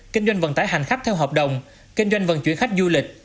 kinh doanh vận tải hành khách theo hợp đồng kinh doanh vận chuyển khách du lịch